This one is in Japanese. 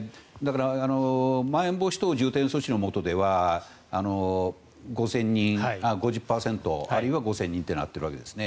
まん延防止等重点措置のもとでは５０％あるいは５０００人となっているんです。